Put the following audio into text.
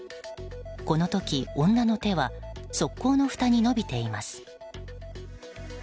この時、女の手は側溝のふたに伸びています。